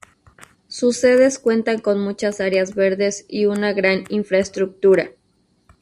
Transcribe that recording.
Sus sedes cuentan con muchas áreas verdes y una gran infraestructura.